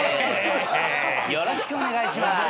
よろしくお願いします。